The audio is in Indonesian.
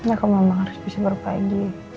aku memang harus bisa berbagi